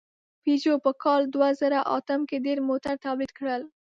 پيژو په کال دوهزرهاتم کې ډېر موټر تولید کړل.